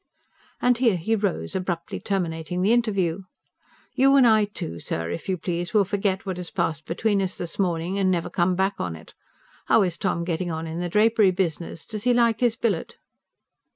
And here he rose, abruptly terminating the interview. "You and I, too, sir, if you please, will forget what has passed between us this morning, and never come back on it. How is Tom getting on in the drapery business? Does he like his billet?"